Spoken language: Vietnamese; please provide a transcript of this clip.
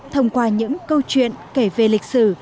thông qua những câu chuyện kể về lịch sử